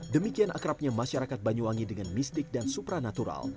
demikian akrabnya masyarakat banyuwangi dengan mistik dan supranatural